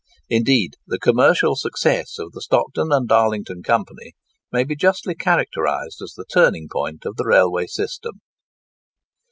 Indeed, the commercial success of the Stockton and Darlington Company may be justly characterised as the turning point of the railway system.